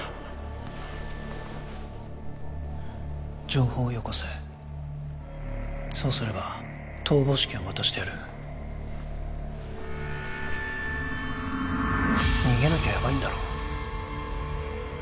情報をよこせそうすれば逃亡資金を渡してやる逃げなきゃヤバいんだろ？